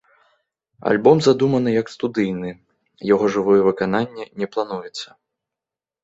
Альбом задуманы як студыйны, яго жывое выкананне не плануецца.